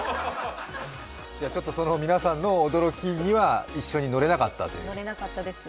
その皆さんの驚きには一緒に乗れなかったと？